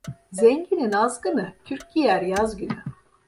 Zenginin azgını, kürk giyer yaz günü.